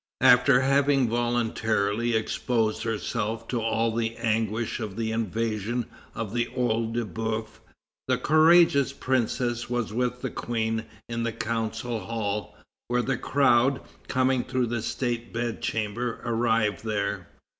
After having voluntarily exposed herself to all the anguish of the invasion of the OEil de Boeuf, the courageous Princess was with the Queen in the Council Hall, when the crowd, coming through the State Bed chamber, arrived there.